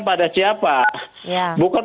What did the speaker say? pada siapa bukan